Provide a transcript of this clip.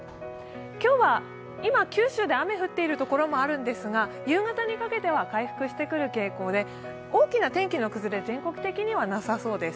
今日は今、九州で雨、降っている所もあるんですが夕方にかけては回復してくる傾向で大きな天気の崩れ、全国的にはなさそうです。